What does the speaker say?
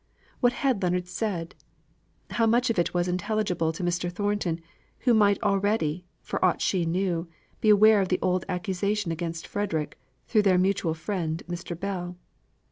What had Leonards said? How much of it was intelligible to Mr. Thornton, who might already, for aught she knew, be aware of the old accusation against Frederick, through their mutual friend, Mr. Bell?